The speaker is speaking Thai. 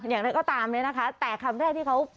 อย่างไรก็ตามเนี่ยนะคะแต่คำแรกที่เขา